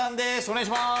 お願いします。